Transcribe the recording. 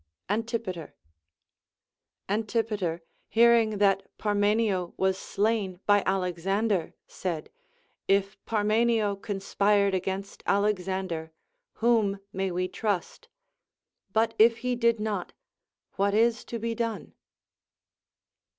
Antipater. Antipater, hearing that Parmenio was slain 206 THE APOPHTHEGMS OF KINGS by Alexander, said : If Parmenio conspired against Alex ander, whom may we trust] but if he did not, Avhat is to be done